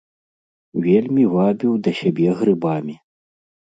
Вельмі вабіў да сябе грыбамі.